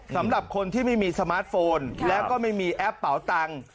สำหรับคนที่ไม่มีสมาร์ทโฟนแล้วก็ไม่มีแอปเป๋าตังค์